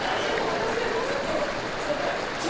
私がもうちょっとだから。